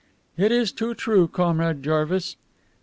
"It is too true, Comrade Jarvis."